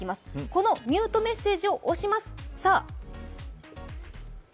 このミュートメッセージを押します。